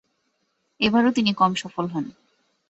এবারও তিনি কম সফল হন।